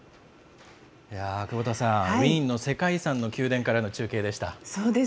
久保田さん、ウィーンの世界遺産の宮殿からの中継でした。